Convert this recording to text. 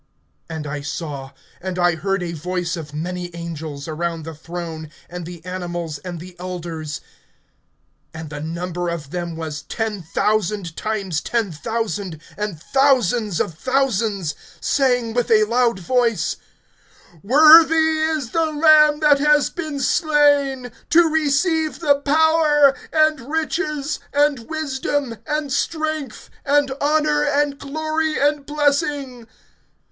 (11)And I saw, and I heard a voice of many angels, around the throne and the animals and the elders, and the number of them was ten thousand times ten thousand, and thousands of thousands, (12)saying with a loud voice: Worthy is the Lamb that has been slain, to receive the power, and riches, and wisdom, and strength, and honor, and glory, and blessing.